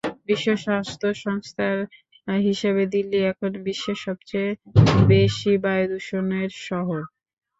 বিশ্ব স্বাস্থ্য সংস্থার হিসাবে দিল্লি এখন বিশ্বের সবচেয়ে বেশি বায়ুদূষণের শহর।